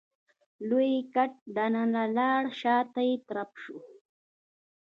لوی ګټ دننه لاړ شاته يې ترپ شو.